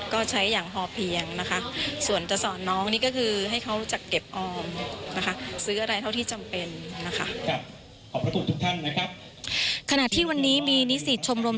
ขนาดที่วันนี้มีนิสิตชมรม